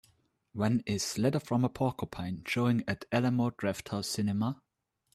when is Letters from a Porcupine showing at Alamo Drafthouse Cinema